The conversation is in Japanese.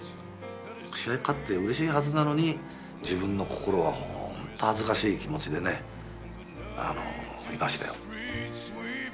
試合に勝ってうれしいはずなのに自分の心はほんと恥ずかしい気持ちでねあのいましたよ。